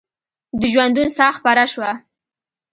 د ژوندون ساه خپره شوه